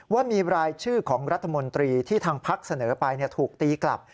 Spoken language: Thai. ว่ามีรายชื่อของรัฐมนตรีที่ทางพักเสนอไปถูกตีกลับ